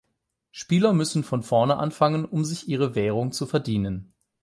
Spieler müssen von vorne anfangen um sich ihre Währung zu verdienen.